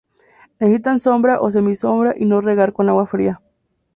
Necesitan sombra o semisombra y no regar con agua fría.